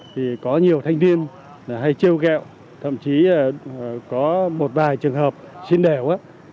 thì có nhiều thanh niên hay chiêu gẹo thậm chí có một vài trường hợp xin đẻo